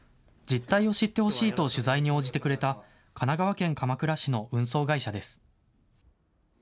実態を知ってほしいと取材に応じてくれた、神奈川県鎌倉市の運送会社です。